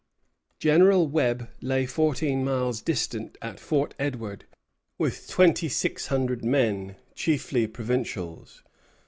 General Webb lay fourteen miles distant at Fort Edward, with twenty six hundred men, chiefly provincials.